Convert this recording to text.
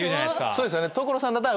そうですよね所さんだったら。